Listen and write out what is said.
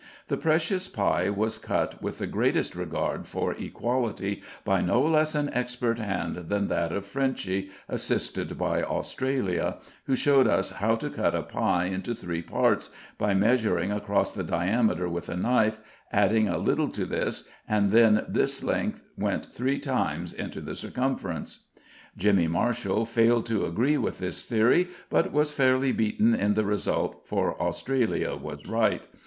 The precious pie was cut with the greatest regard for equality by no less an expert hand than that of Frenchy, assisted by Australia, who showed us how to cut a pie into three parts by measuring across the diameter with a knife, adding a little to this, and then this length went three times into the circumference. Jimmy Marshall failed to agree with this theory, but was fairly beaten in the result, for Australia was right.